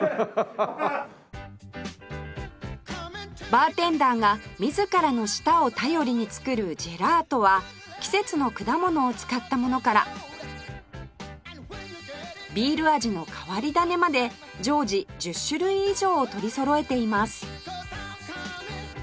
バーテンダーが自らの舌を頼りに作るジェラートは季節の果物を使ったものからビール味の変わり種まで常時１０種類以上を取りそろえています